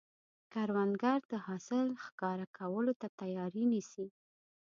کروندګر د حاصل ښکاره کولو ته تیاری نیسي